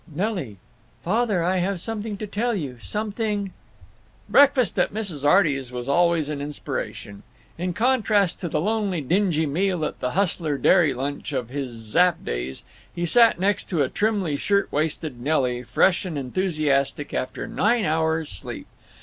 Nelly: Father, I have something to tell you; something— Breakfast at Mrs. Arty's was always an inspiration. In contrast to the lonely dingy meal at the Hustler Dairy Lunch of his Zapp days, he sat next to a trimly shirtwaisted Nelly, fresh and enthusiastic after nine hours' sleep.